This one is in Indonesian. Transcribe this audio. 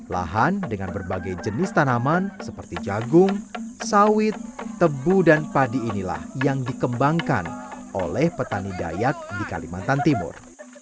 lahan dengan berbagai jenis tanaman seperti jagung sawit tebu dan padi inilah yang dikembangkan oleh petani dayak di kalimantan timur